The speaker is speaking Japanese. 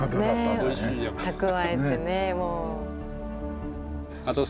蓄えてねもう。